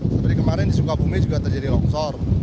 seperti kemarin di sukabumi juga terjadi longsor